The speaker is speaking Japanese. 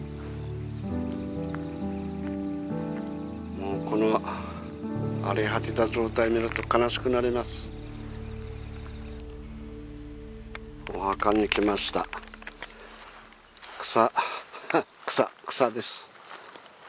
もうこの荒れ果てた状態見ると悲しくなりますお墓に来ました草ハッ草草です